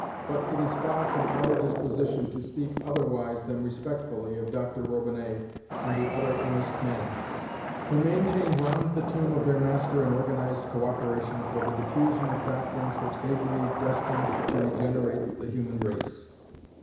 But it is far from our disposition to speak otherwise than respectfully of Dr Robinet and the other earnest men, who maintain round the tomb of their master an organized co operation for the diffusion of doctrines which they believe destined to regenerate the human race.